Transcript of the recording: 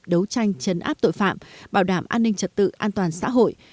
đấu tranh chấn áp tội phạm bảo đảm an ninh trật tự an toàn xã hội